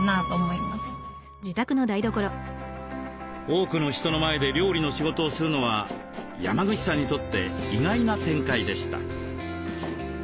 多くの人の前で料理の仕事をするのは山口さんにとって意外な展開でした。